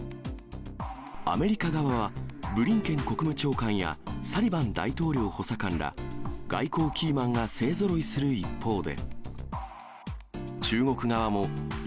アメリカ側は、ブリンケン国務長官やサリバン大統領補佐官ら外交キーマンが勢ぞろいする一方で。